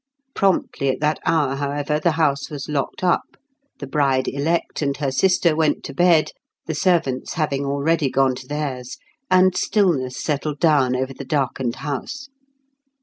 Promptly at that hour, however, the house was locked up, the bride elect and her sister went to bed the servants having already gone to theirs and stillness settled down over the darkened house.